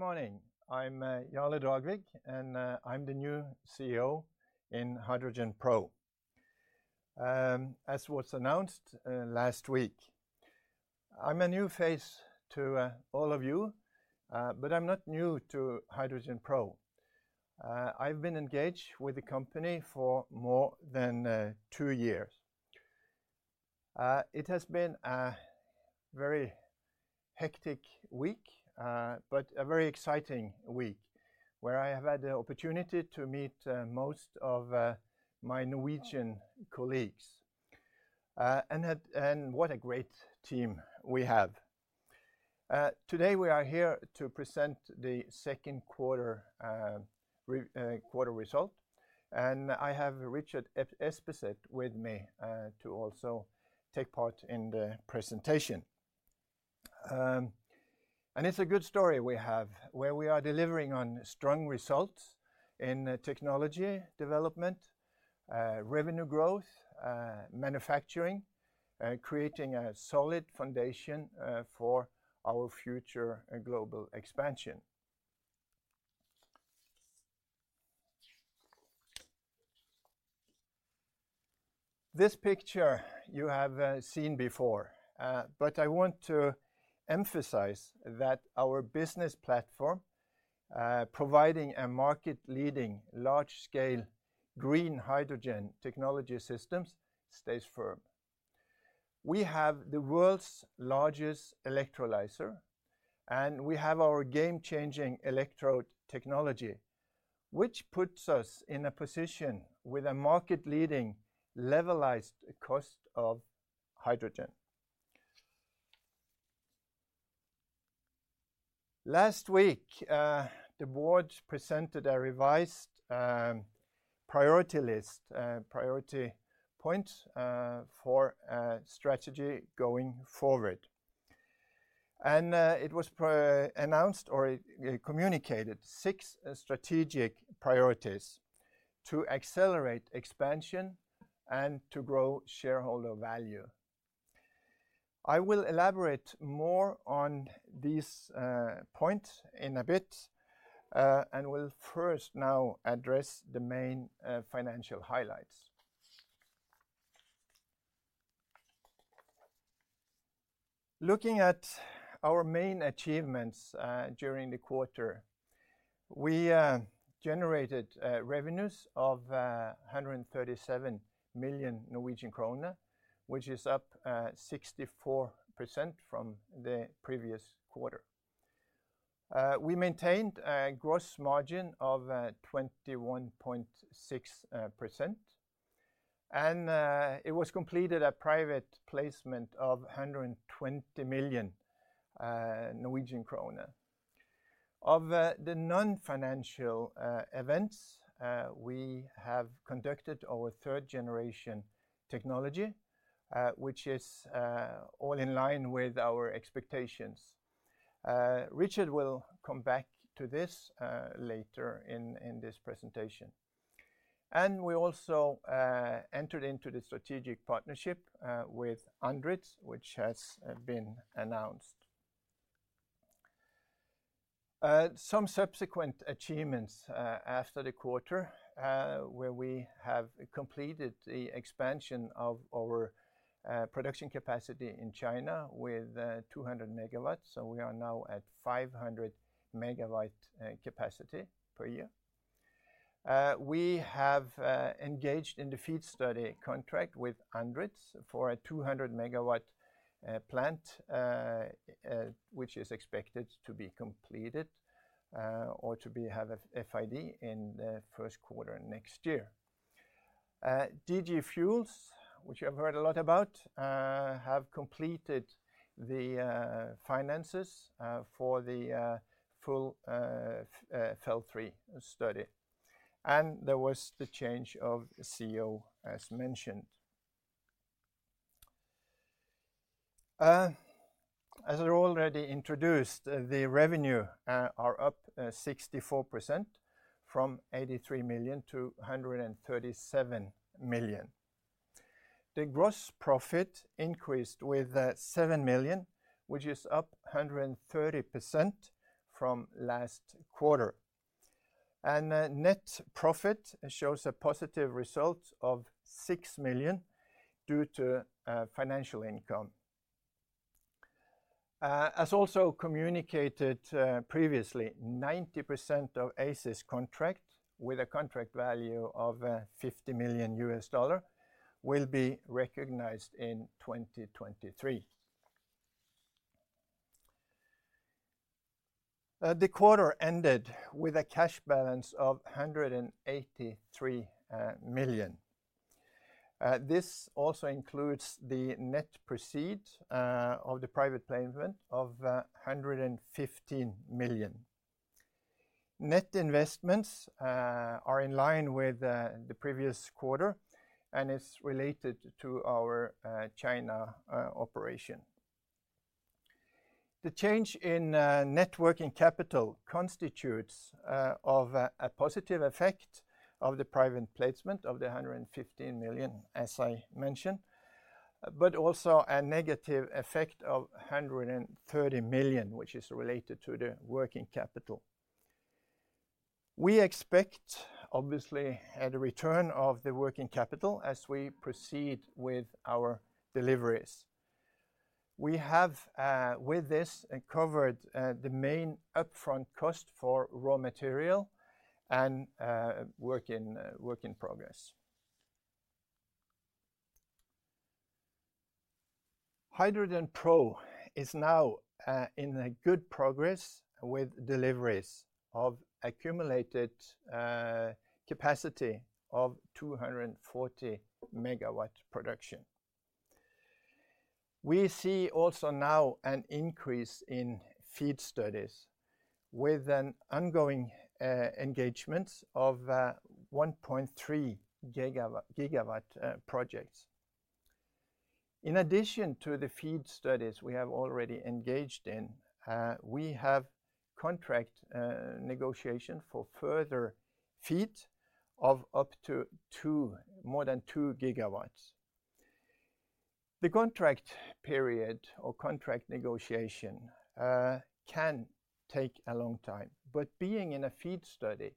Good morning. I'm Jarle Dragvik, and I'm the new CEO in HydrogenPro, as was announced last week. I'm a new face to all of you, but I'm not new to HydrogenPro. I've been engaged with the company for more than 2 years. It has been a very hectic week, but a very exciting week, where I have had the opportunity to meet most of my Norwegian colleagues. What a great team we have! Today we are here to present the second quarter result, and I have Richard Espeseth with me to also take part in the presentation. It's a good story we have, where we are delivering on strong results in technology development, revenue growth, manufacturing, creating a solid foundation for our future global expansion. This picture you have seen before, but I want to emphasize that our business platform, providing a market-leading, large-scale, Green Hydrogen Technology Systems, stays firm. We have the world's largest Electrolyzer, and we have our game-changing Electrode Technology, which puts us in a position with a market-leading levelized cost of Hydrogen. Last week, the board presented a revised priority list, priority points for strategy going forward. It was announced or communicated six strategic priorities to accelerate expansion and to grow shareholder value. I will elaborate more on these points in a bit, and will first now address the main financial highlights. Looking at our main achievements during the quarter, we generated revenues of 137 million Norwegian krone, which is up 64% from the previous quarter. We maintained a gross margin of 21.6%, and it was completed a private placement of 120 million Norwegian kroner. Of the non-financial events, we have conducted our third-generation technology, which is all in line with our expectations. Richard will come back to this later in this presentation. We also entered into the strategic partnership with ANDRITZ, which has been announced. Some subsequent achievements after the quarter, where we have completed the expansion of our production capacity in China with 200 megawatts, so we are now at 500 megawatt capacity per year. We have engaged in the FEED study contract with ANDRITZ for a 200 megawatt plant, which is expected to be completed or to be have a FID in the first quarter next year. DG Fuels, which you have heard a lot about, have completed the finances for the full FEL3 study. There was the change of CEO, as mentioned. As I already introduced, the revenue are up 64% from $83 million to $137 million. The gross profit increased with 7 million, which is up 130% from last quarter. The net profit shows a positive result of 6 million due to financial income. As also communicated previously, 90% of ACES contract, with a contract value of $50 million, will be recognized in 2023. The quarter ended with a cash balance of 183 million. This also includes the net proceeds of the private placement of 115 million. Net investments are in line with the previous quarter and is related to our China operation. The change in net working capital constitutes of a positive effect of the private placement of the 115 million, as I mentioned. Also a negative effect of $130 million, which is related to the working capital. We expect, obviously, the return of the working capital as we proceed with our deliveries. We have, with this, covered, the main upfront cost for raw material and, work in progress. HydrogenPro is now, in a good progress with deliveries of accumulated, capacity of 240 megawatt production. We see also now an increase in FEED studies, with an ongoing, engagement of, 1.3 gigawatt, projects. In addition to the FEED studies we have already engaged in, we have contract, negotiation for further FEED of up to more than 2 gigawatts. The contract period or contract negotiation can take a long time, but being in a FEED study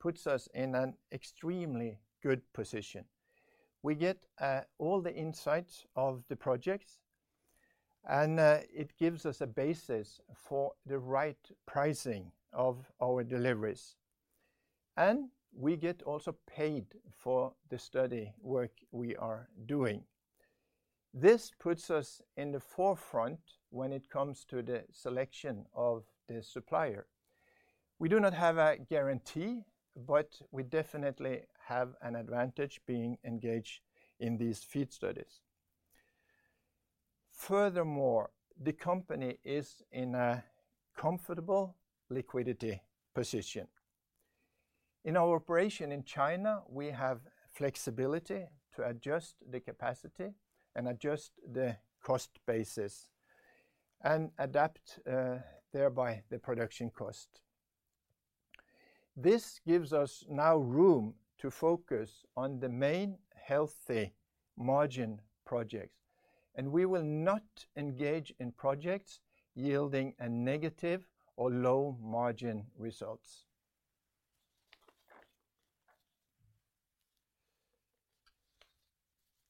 puts us in an extremely good position. We get all the insights of the projects, and it gives us a basis for the right pricing of our deliveries. We get also paid for the study work we are doing. This puts us in the forefront when it comes to the selection of the supplier. We do not have a guarantee, but we definitely have an advantage being engaged in these FEED studies. Furthermore, the company is in a comfortable liquidity position. In our operation in China, we have flexibility to adjust the capacity and adjust the cost basis, and adapt thereby the production cost. This gives us now room to focus on the main healthy margin projects, and we will not engage in projects yielding a negative or low-margin results.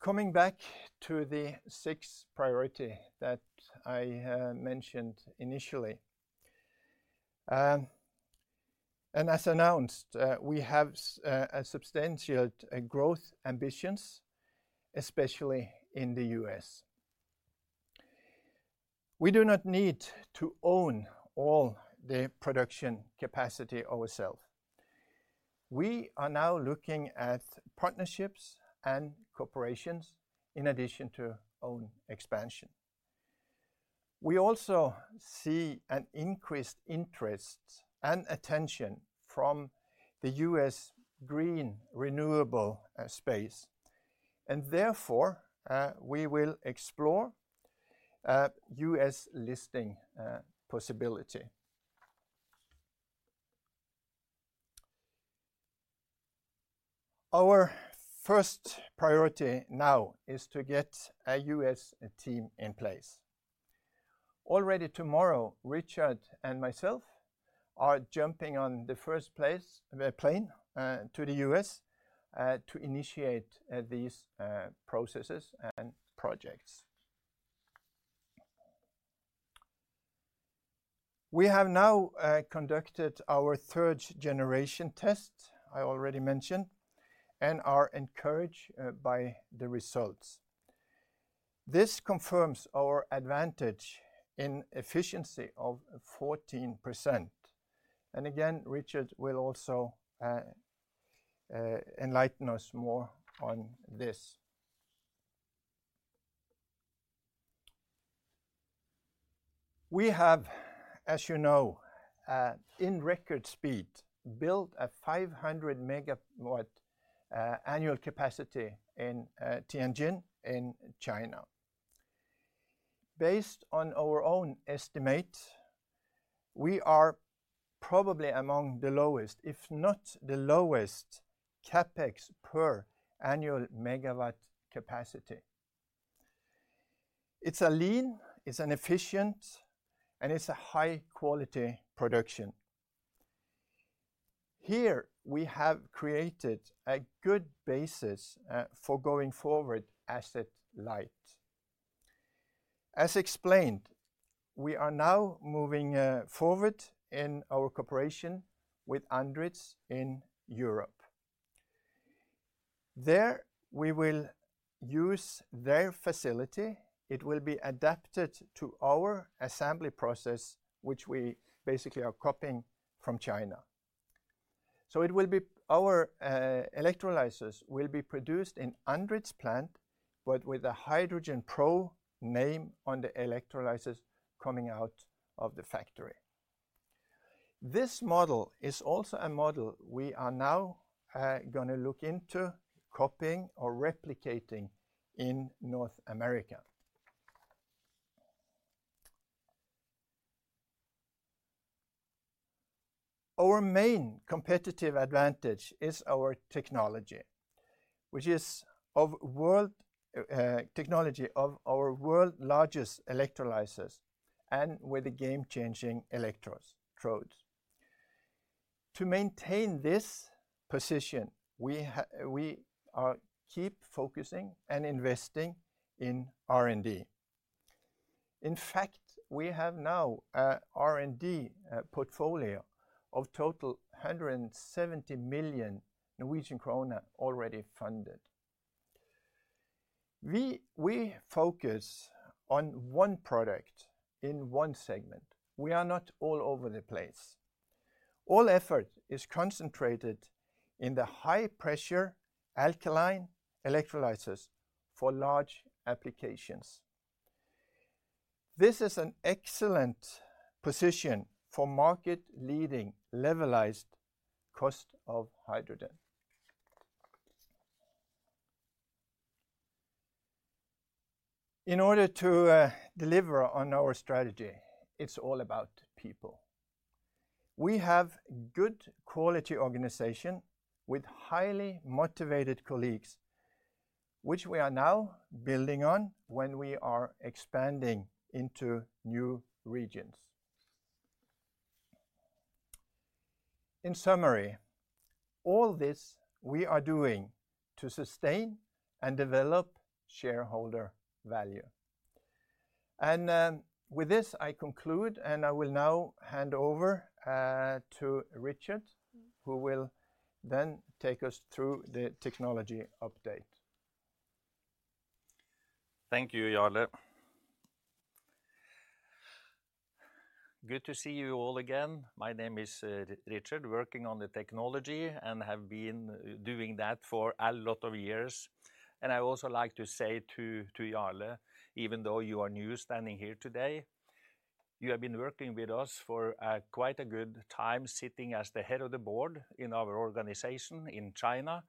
Coming back to the six priority that I mentioned initially. As announced, we have a substantial growth ambitions, especially in the U.S. We do not need to own all the production capacity ourself. We are now looking at partnerships and corporations in addition to own expansion. We also see an increased interest and attention from the U.S. green renewable space, and therefore, we will explore a U.S. listing possibility. Our first priority now is to get a U.S. Team in place. Already tomorrow, Richard and myself are jumping on the first plane to the U.S. to initiate these processes and projects. We have now conducted our third-generation test, I already mentioned, and are encouraged by the results. This confirms our advantage in efficiency of 14%. Again, Richard will also enlighten us more on this. We have, as you know, in record speed, built a 500 megawatt annual capacity in Tianjin, in China. Based on our own estimate, we are probably among the lowest, if not the lowest, CapEx per annual megawatt capacity. It's a lean, it's an efficient, and it's a high-quality production. Here, we have created a good basis for going forward asset-light. As explained, we are now moving forward in our cooperation with ANDRITZ in Europe. There, we will use their facility. It will be adapted to our assembly process, which we basically are copying from China. Our Electrolyzers will be produced in ANDRITZ plant, but with a HydrogenPro name on the Electrolyzers coming out of the factory. This model is also a model we are now gonna look into copying or replicating in North America. Our main competitive advantage is our technology, which is of world technology of our world largest Electrolyzers and with a game-changing electrodes. To maintain this position, we are keep focusing and investing in R&D. In fact, we have now a R&D portfolio of total 170 million Norwegian krone already funded. We, we focus on one product in one segment. We are not all over the place. All effort is concentrated in the high-pressure alkaline Electrolyzers for large applications. This is an excellent position for market-leading levelized cost of hydrogen. In order to deliver on our strategy, it's all about people. We have good quality organization with highly motivated colleagues, which we are now building on when we are expanding into new regions. In summary, all this we are doing to sustain and develop shareholder value. With this, I conclude, and I will now hand over to Richard, who will then take us through the technology update. Thank you, Jarle. Good to see you all again. My name is Richard, working on the technology and have been doing that for a lot of years. I also like to say to Jarle, even though you are new, standing here today, you have been working with us for quite a good time, sitting as the head of the board in our organization in China,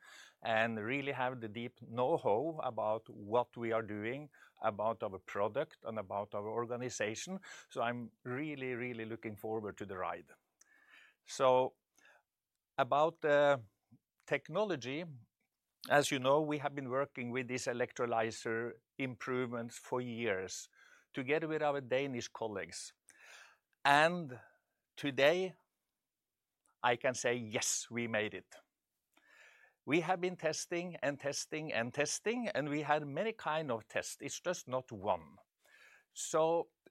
and really have the deep know-how about what we are doing, about our product, and about our organization. I'm really, really looking forward to the ride. About the technology, as you know, we have been working with this Electrolyzer improvements for years, together with our Danish colleagues. Today, I can say, yes, we made it. We have been testing and testing and testing, and we had many kind of tests. It's just not one.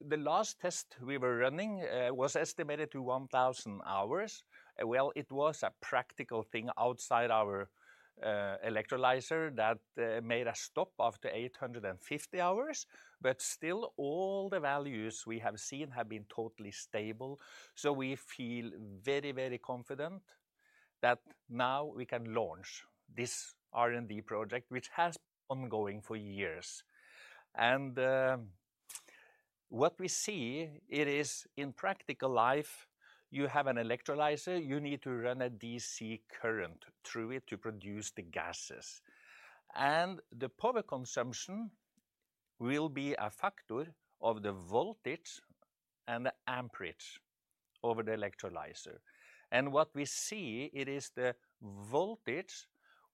The last test we were running was estimated to 1,000 hours. It was a practical thing outside our Electrolyzer that made us stop after 850 hours. Still, all the values we have seen have been totally stable, so we feel very, very confident that now we can launch this R&D project, which has been ongoing for years. What we see it is in practical life, you have an Electrolyzer, you need to run a DC current through it to produce the gases. The power consumption will be a factor of the voltage and the amperage over the Electrolyzer. What we see, it is the voltage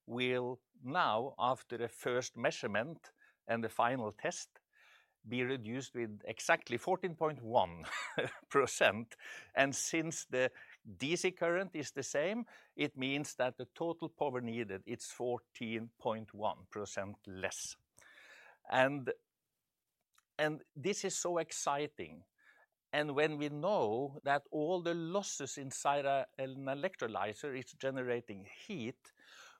will now, after the first measurement and the final test, be reduced with exactly 14.1%. Since the DC current is the same, it means that the total power needed, it's 14.1% less. This is so exciting. When we know that all the losses inside an Electrolyzer is generating heat,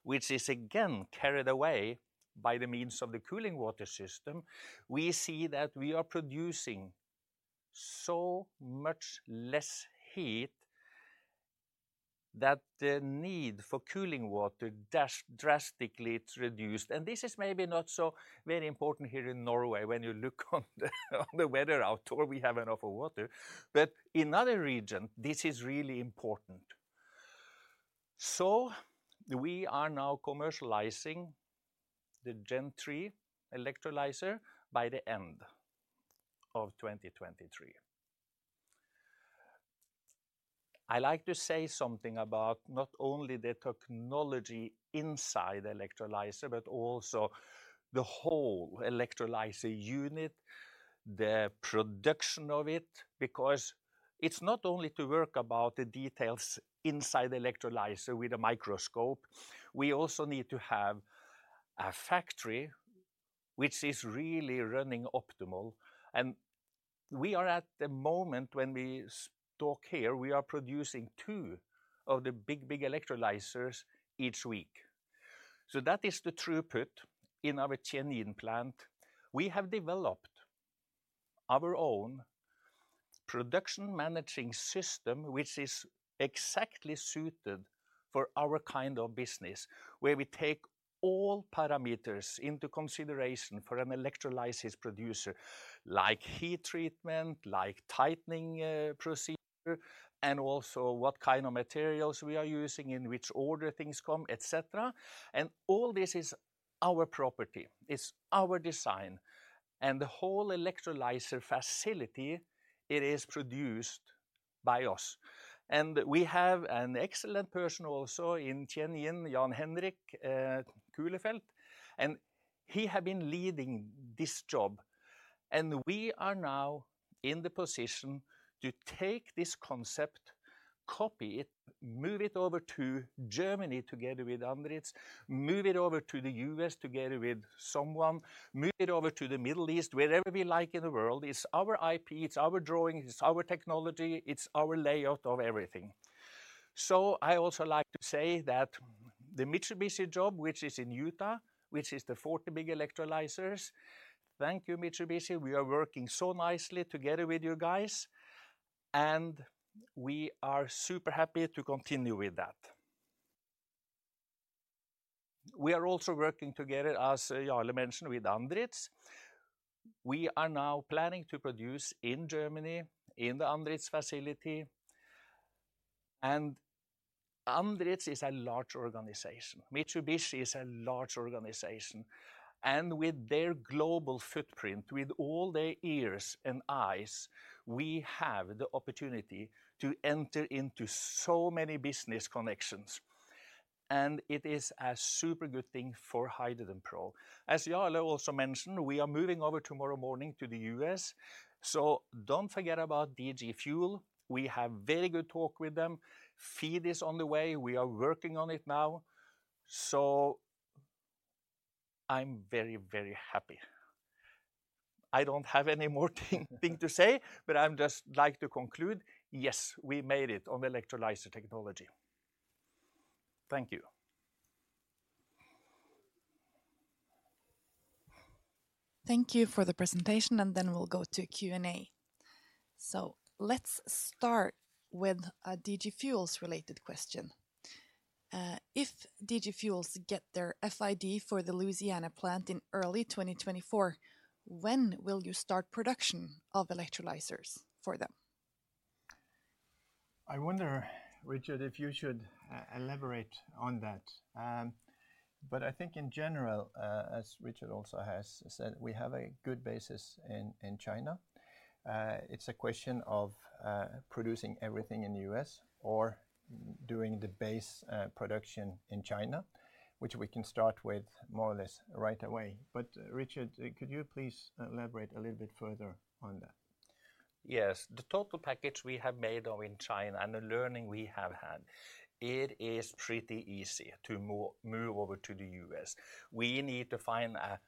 which is again carried away by the means of the cooling water system, we see that we are producing so much less heat that the need for cooling water drastically it's reduced. This is maybe not so very important here in Norway when you look on the, on the weather outdoor, we have enough of water. In other region, this is really important. We are now commercializing the Gen 3 Electrolyzer by the end of 2023. I like to say something about not only the technology inside the Electrolyzer, but also the whole Electrolyzer unit, the production of it, because it's not only to work about the details inside the Electrolyzer with a microscope, we also need to have a factory which is really running optimal. We are at the moment when we talk here, we are producing two of the big, big Electrolyzers each week. That is the throughput in our Tianjin plant. We have developed our own production management system, which is exactly suited for our kind of business, where we take all parameters into consideration for an electrolysis producer, like heat treatment, like tightening procedure, and also what kind of materials we are using, in which order things come, etc.. All this is our property. It's our design, and the whole Electrolyzer facility, it is produced by us. We have an excellent person also in Tianjin, Jan-Henrik Kuhlefelt, and he had been leading this job. We are now in the position to take this concept, copy it, move it over to Germany together with ANDRITZ, move it over to the U.S. together with someone, move it over to the Middle East, wherever we like in the world. It's our IP, it's our drawing, it's our technology, it's our layout of everything. I also like to say that the Mitsubishi job, which is in Utah, which is the 40 big Electrolyzers, thank you, Mitsubishi. We are working so nicely together with you guys, and we are super happy to continue with that. We are also working together, as Jarle mentioned, with ANDRITZ. We are now planning to produce in Germany, in the ANDRITZ facility, and ANDRITZ is a large organization. Mitsubishi is a large organization, and with their global footprint, with all their ears and eyes, we have the opportunity to enter into so many business connections, and it is a super good thing for HydrogenPro. As Jarle also mentioned, we are moving over tomorrow morning to the US. Don't forget about DG Fuels. We have very good talk with them. FEED is on the way. We are working on it now. I'm very, very happy. I don't have any more thing to say. I'm just like to conclude, yes, we made it on Electrolyzer technology. Thank you. Thank you for the presentation, and then we'll go to Q&A. Let's start with a DG Fuels-related question. "If DG Fuels get their FID for the Louisiana plant in early 2024, when will you start production of Electrolyzers for them? I wonder, Richard, if you should elaborate on that. I think in general, as Richard also has said, we have a good basis in China. It's a question of producing everything in the US or doing the base production in China, which we can start with more or less right away. Richard, could you please elaborate a little bit further on that? Yes. The total package we have made of in China and the learning we have had, it is pretty easy to move over to the U.S. We need to find a,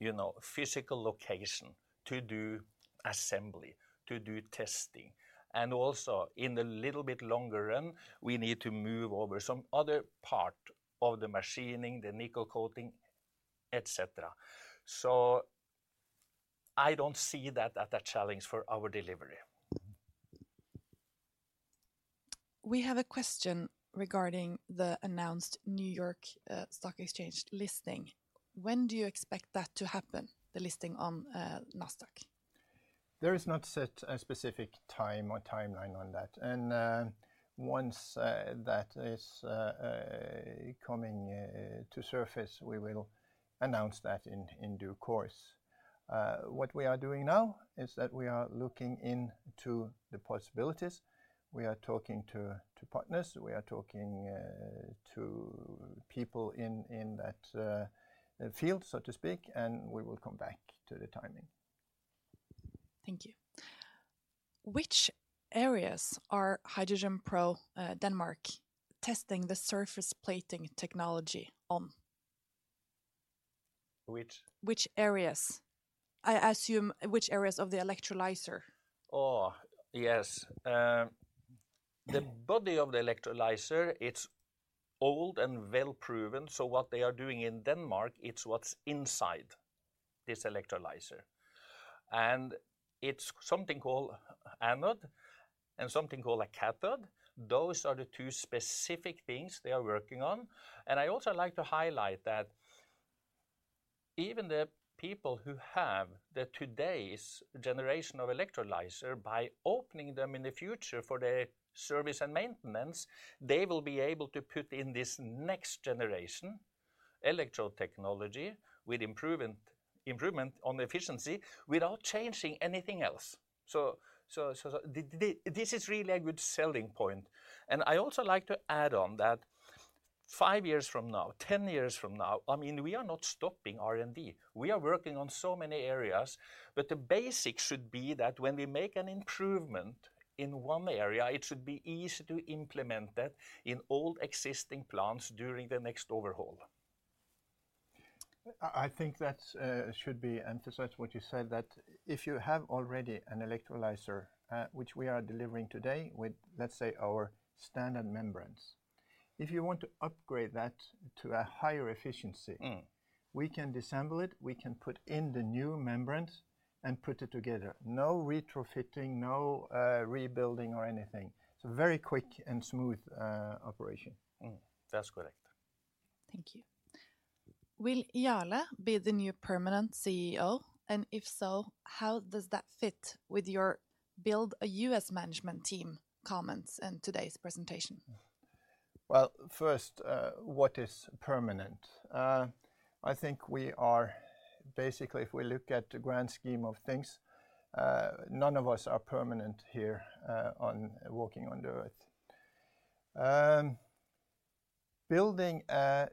you know, physical location to do assembly, to do testing, and also, in the little bit longer run, we need to move over some other part of the machining, the nickel coating, etc.. I don't see that as a challenge for our delivery. We have a question regarding the announced New York Stock Exchange listing. When do you expect that to happen, the listing on Nasdaq? There is not set a specific time or timeline on that, and, once, that is, coming, to surface, we will announce that in, in due course. What we are doing now, is that we are looking into the possibilities. We are talking to, to partners, we are talking, to people in, in that, field, so to speak, and we will come back to the timing. Thank you. Which areas are HydrogenPro, Denmark testing the surface plating technology on? Which? Which areas? I assume which areas of the Electrolyzer. Oh, yes. The body of the Electrolyzer, it's old and well-proven, so what they are doing in Denmark, it's what's inside this Electrolyzer. It's something called anode and something called a cathode. Those are the two specific things they are working on. I also like to highlight that even the people who have the today's generation of Electrolyzer, by opening them in the future for the service and maintenance, they will be able to put in this next generation electrode technology with improvement, improvement on the efficiency without changing anything else. This is really a good selling point. I also like to add on that, five years from now, 10 years from now, I mean, we are not stopping R&D. We are working on so many areas, but the basic should be that when we make an improvement in one area, it should be easy to implement that in all existing plants during the next overhaul. I, I think that should be emphasized what you said, that if you have already an Electrolyzer, which we are delivering today with, let's say, our standard membranes, if you want to upgrade that to a higher efficiency. Mm We can disassemble it, we can put in the new membranes, and put it together. No retrofitting, no, rebuilding or anything. It's a very quick and smooth operation. That's correct. Thank you. Will Jarle be the new permanent CEO, and if so, how does that fit with your 'build a U.S. management team' comments in today's presentation? Well, first, what is permanent? I think we are basically, if we look at the grand scheme of things, none of us are permanent here, on walking on the Earth. Building a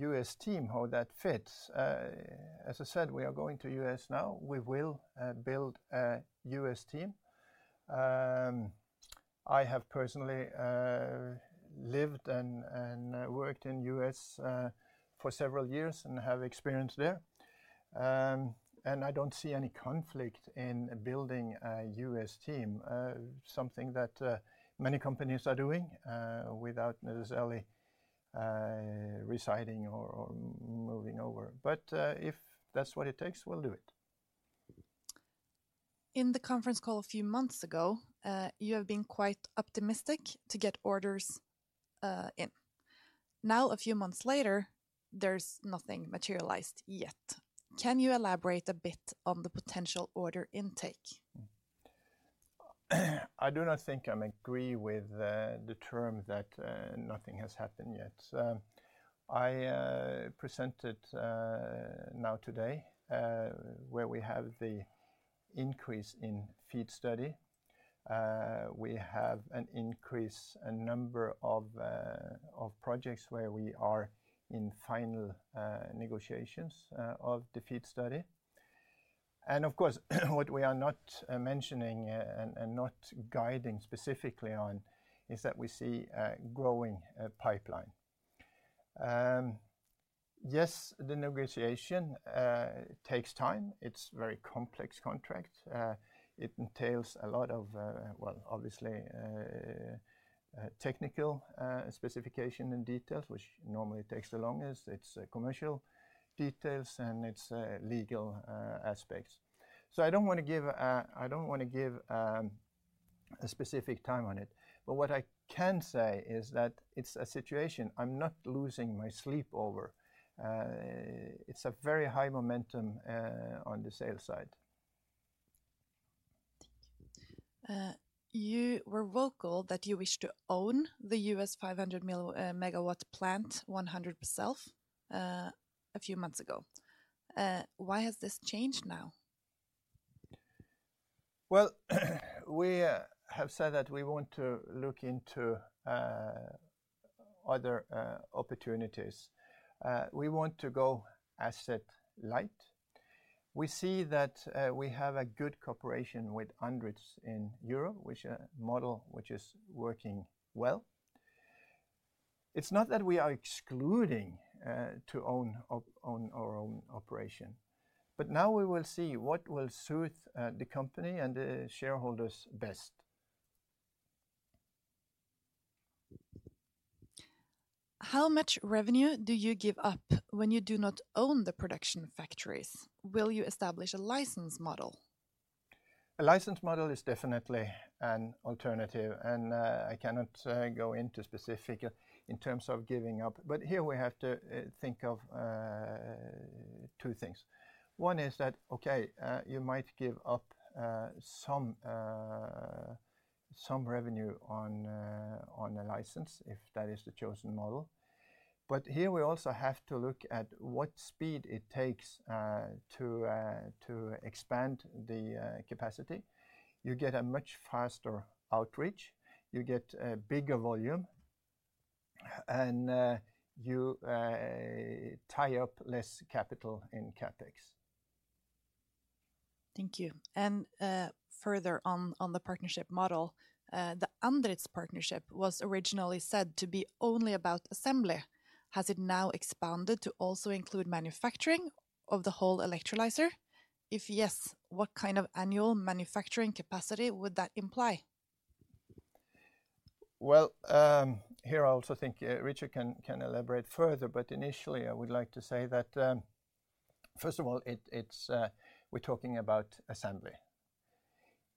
U.S. team, how that fits, as I said, we are going to U.S. now. We will build a U.S. Team. I have personally lived and worked in U.S. for several years and have experience there. And I don't see any conflict in building a U.S. Team, something that many companies are doing, without necessarily residing or moving over. If that's what it takes, we'll do it. In the conference call a few months ago, you have been quite optimistic to get orders in. Now, a few months later, there's nothing materialized yet. Can you elaborate a bit on the potential order intake? I do not think I'm agree with the term that nothing has happened yet. I presented now today where we have the increase in FEED study. We have an increase, a number of projects where we are in final negotiations of the FEED study. Of course, what we are not mentioning and not guiding specifically on, is that we see a growing pipeline. Yes, the negotiation takes time. It's very complex contract. It entails a lot of, well, obviously, technical specification and details, which normally takes the longest. It's commercial details, and it's legal aspects. I don't wanna give a I don't wanna give a specific time on it. What I can say is that it's a situation I'm not losing my sleep over. It's a very high momentum on the sales side. Thank you. You were vocal that you wish to own the U.S. 500 megawatt plant 100% a few months ago. Why has this changed now? Well, we have said that we want to look into other opportunities. We want to go asset-light. We see that we have a good cooperation with ANDRITZ in Europe, which model, which is working well. It's not that we are excluding to own our own operation, but now we will see what will suit the company and the shareholders best. How much revenue do you give up when you do not own the production factories? Will you establish a license model? A license model is definitely an alternative. I cannot go into specific in terms of giving up. Here we have to think of two things. One is that, okay, you might give up some revenue on a license if that is the chosen model. Here, we also have to look at what speed it takes to expand the capacity. You get a much faster outreach, you get a bigger volume, and you tie up less capital in CapEx. Thank you. Further on, on the partnership model, the ANDRITZ partnership was originally said to be only about assembly. Has it now expanded to also include manufacturing of the whole Electrolyzer? If yes, what kind of annual manufacturing capacity would that imply? Well, here, I also think Richard can elaborate further. Initially, I would like to say that, first of all, it's, we're talking about assembly.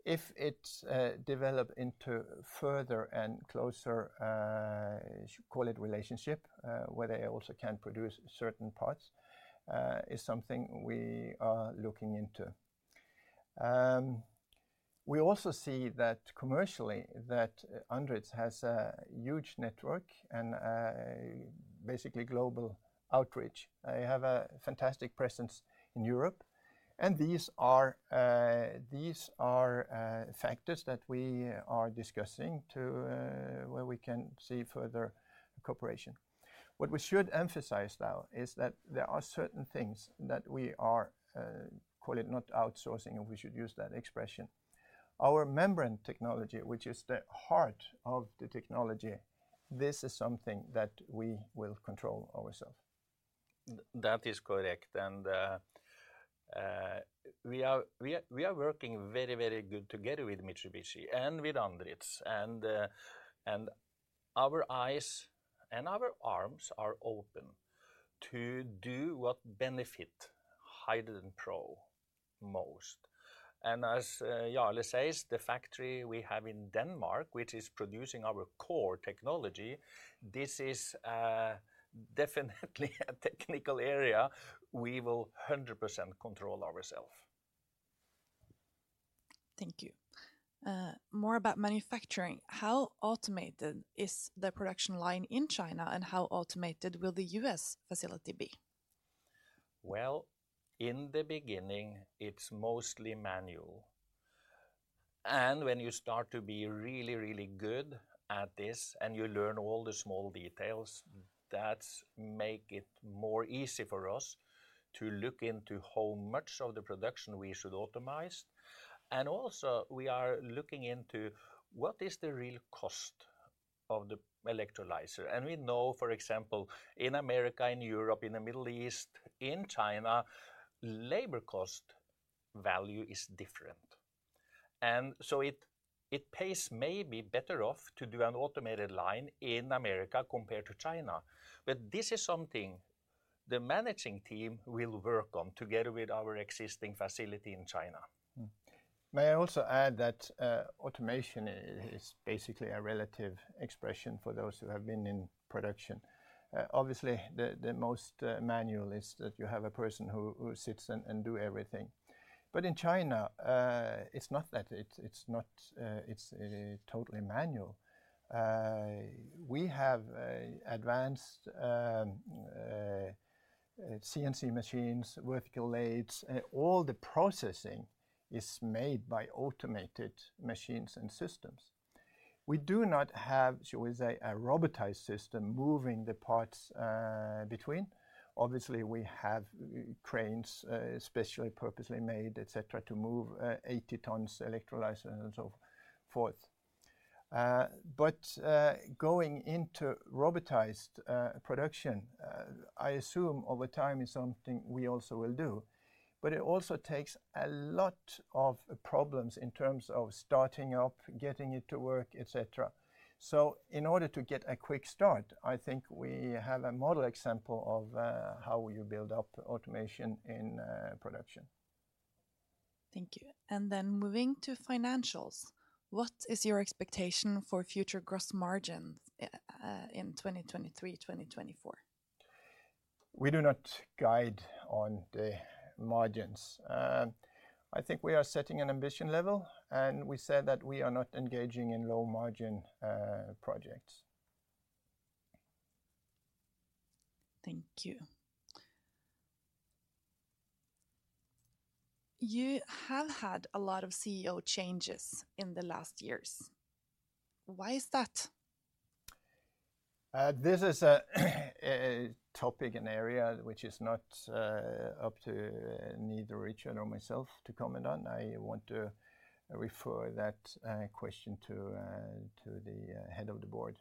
If it's developed into further and closer, call it relationship, where they also can produce certain parts, is something we are looking into. We also see that commercially, that ANDRITZ has a huge network and basically global outreach. They have a fantastic presence in Europe. These are factors that we are discussing to where we can see further cooperation. What we should emphasize, though, is that there are certain things that we are, call it not outsourcing, if we should use that expression. Our membrane technology, which is the heart of the technology, this is something that we will control ourself. That is correct, and we are working very, very good together with Mitsubishi and with ANDRITZ. Our eyes and our arms are open to do what benefit HydrogenPro most. As Jarle says, the factory we have in Denmark, which is producing our core technology, this is definitely a technical area we will 100% control ourself. Thank you. More about manufacturing. How automated is the production line in China, and how automated will the U.S. facility be? Well, in the beginning, it's mostly manual. When you start to be really, really good at this, and you learn all the small details, that's make it more easy for us to look into how much of the production we should automate. Also, we are looking into what is the real cost of the Electrolyzer. We know, for example, in America, in Europe, in the Middle East, in China, labor cost value is different. It, it pays maybe better off to do an automated line in America compared to China. This is something the managing team will work on together with our existing facility in China. May I also add that automation is basically a relative expression for those who have been in production. Obviously, the most manual is that you have a person who sits and do everything. In China, it's not that, it's not totally manual. We have advanced CNC machines, vertical lathes, all the processing is made by automated machines and systems. We do not have, should we say, a robotized system moving the parts between. Obviously, we have cranes, especially purposely made, etc., to move 80 tons Electrolyzer and so forth. Going into robotized production, I assume over time is something we also will do. It also takes a lot of problems in terms of starting up, getting it to work, etc.. In order to get a quick start, I think we have a model example of how you build up automation in production. Thank you. Then moving to financials, what is your expectation for future gross margins in 2023, 2024? We do not guide on the margins. I think we are setting an ambition level, and we said that we are not engaging in low-margin projects. Thank you. You have had a lot of CEO changes in the last years. Why is that? This is a, a topic and area which is not up to neither Richard or myself to comment on. I want to refer that question to the head of the board.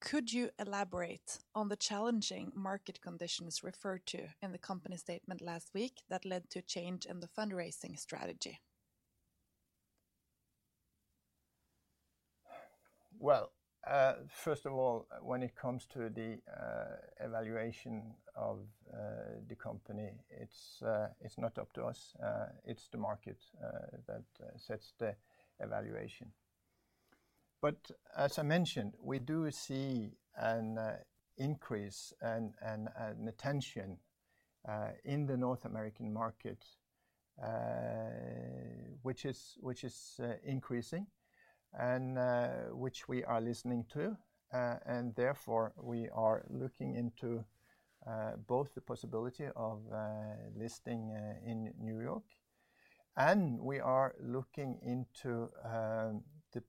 Could you elaborate on the challenging market conditions referred to in the company statement last week that led to a change in the fundraising strategy? Well, first of all, when it comes to the evaluation of the company, it's not up to us, it's the market that sets the evaluation. As I mentioned, we do see an increase and, and, and attention in the North American market, which is, which is increasing and which we are listening to. Therefore, we are looking into both the possibility of listing in New York, and we are looking into the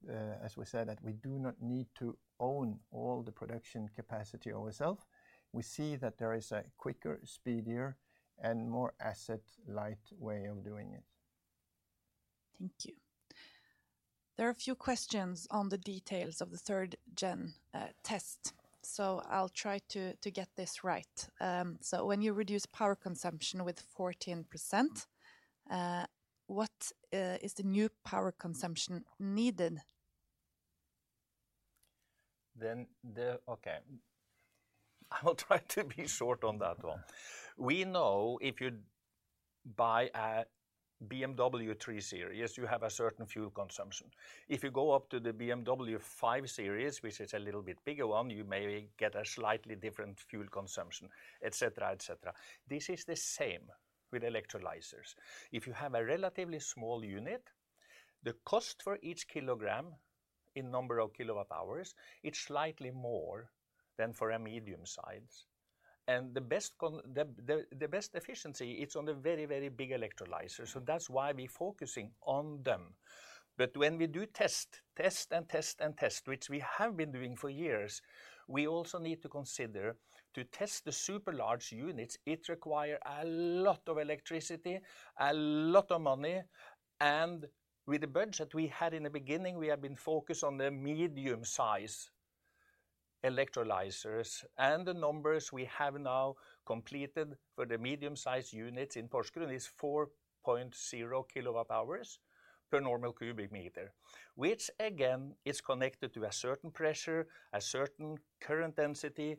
as we said, that we do not need to own all the production capacity ourself. We see that there is a quicker, speedier, and more asset-light way of doing it. Thank you. There are a few questions on the details of the third-gen test, so I'll try to get this right. When you reduce power consumption with 14%, what is the new power consumption needed? Okay. I will try to be short on that one. We know if you buy a BMW 3 Series, you have a certain fuel consumption. If you go up to the BMW 5 Series, which is a little bit bigger one, you may get a slightly different fuel consumption, etc., etc.. This is the same with Electrolyzers. If you have a relatively small unit, the cost for each kilogram in number of kilowatt-hours, it's slightly more than for a medium size. The best efficiency, it's on the very, very big Electrolyzer, so that's why we're focusing on them. When we do test, test, and test, and test, which we have been doing for years, we also need to consider, to test the super large units, it require a lot of electricity, a lot of money, and with the budget we had in the beginning, we have been focused on the medium-size Electrolyzers. The numbers we have now completed for the medium-size units in Porsgrunn is 4.0 kilowatt-hours per normal cubic meter, which, again, is connected to a certain pressure, a certain current density,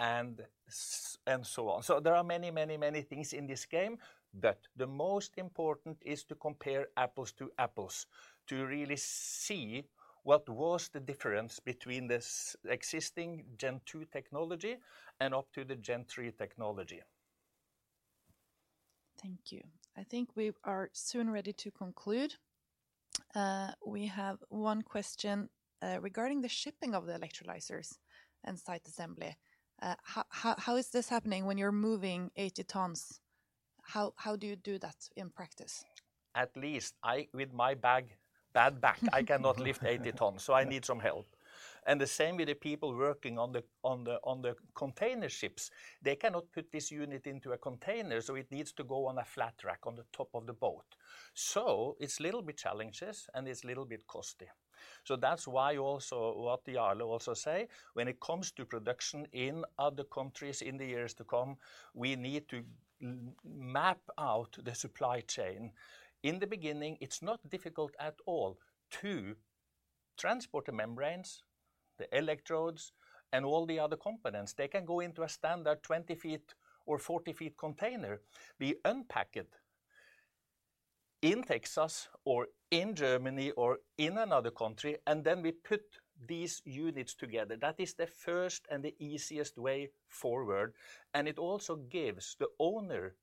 and so on. There are many, many, many things in this game, but the most important is to compare apples to apples, to really see... what was the difference between this existing Gen 2 technology and up to the Gen 3 technology? Thank you. I think we are soon ready to conclude. We have one question regarding the shipping of the Electrolyzers and site assembly. How is this happening when you're moving 80 tons? How do you do that in practice? At least I, with my bad back, I cannot lift 80 tons, so I need some help. The same with the people working on the container ships, they cannot put this unit into a container, so it needs to go on a flat rack on the top of the boat. It's a little bit challenges and it's a little bit costly. That's why also what Jarle also say, when it comes to production in other countries in the years to come, we need to map out the supply chain. In the beginning, it's not difficult at all to transport the membranes, the electrodes, and all the other components. They can go into a standard 20-feet or 40-feet container, be unpacked in Texas or in Germany or in another country, and then we put these units together. That is the first and the easiest way forward, and it also gives the owner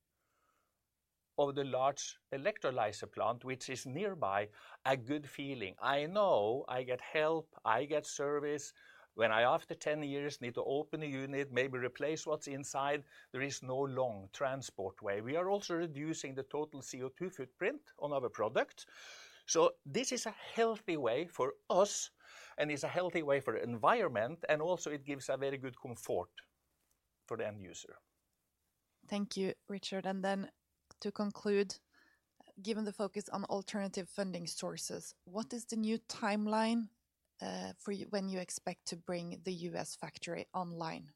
of the large Electrolyzer plant, which is nearby, a good feeling. I know I get help, I get service. When I, after 10 years, need to open a unit, maybe replace what's inside, there is no long transport way. We are also reducing the total CO2 footprint on our product. This is a healthy way for us, and it's a healthy way for the environment, and also it gives a very good comfort for the end user. Thank you, Richard. Then to conclude, given the focus on alternative funding sources, what is the new timeline for when you expect to bring the U.S. factory online?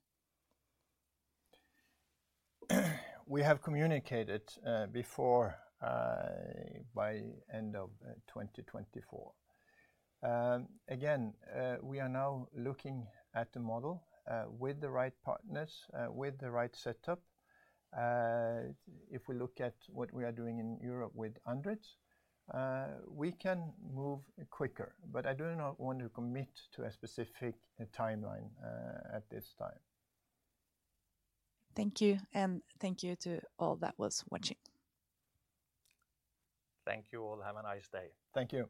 We have communicated, before, by end of 2024. Again, we are now looking at the model, with the right partners, with the right setup. If we look at what we are doing in Europe with ANDRITZ, we can move quicker, but I do not want to commit to a specific timeline, at this time. Thank you, and thank you to all that was watching. Thank you, all. Have a nice day. Thank you.